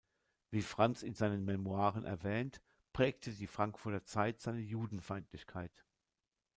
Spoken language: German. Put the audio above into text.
Wie Franz in seinen Memoiren erwähnt, prägte die Frankfurter Zeit seine Judenfeindlichkeit.